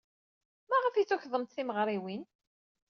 Maɣef ay tukḍemt timeɣriwin?